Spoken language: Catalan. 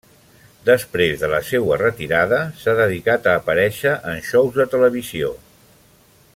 Després de la seua retirada, s'ha dedicat a aparèixer en xous de televisió.